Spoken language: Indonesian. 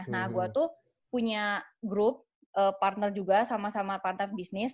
nah gue tuh punya grup partner juga sama sama partner bisnis